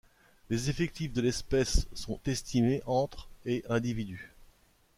Les effectifs de l'espèce sont estimés entre et individus.